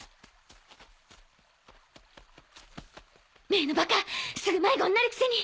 メイのバカすぐ迷子になるくせに。